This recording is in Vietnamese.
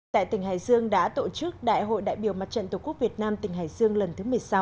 tại tỉnh hải dương đã tổ chức đại hội đại biểu mặt trận tổ quốc việt nam tỉnh hải dương lần thứ một mươi sáu